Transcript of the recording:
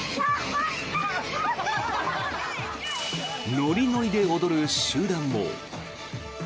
ノリノリで踊る集団も。